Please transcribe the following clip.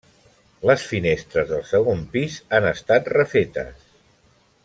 Les finestres del segon pis han estat refetes.